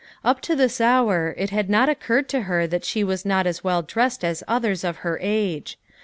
Up to this hour, it had not occurred to her that she was not as well dressed as others of her age.